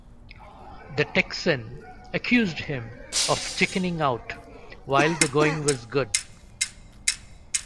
The Texan accused him of chickening out while the going was good.